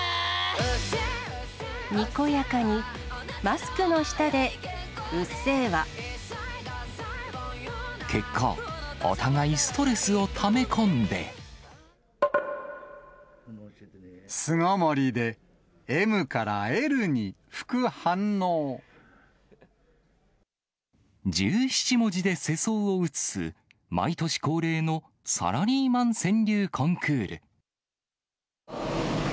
にこやかにマスクの下でうっ結果、お互いストレスをため巣ごもりで、１７文字で世相を映す、毎年恒例のサラリーマン川柳コンクール。